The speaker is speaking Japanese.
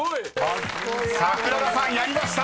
［桜田さんやりました］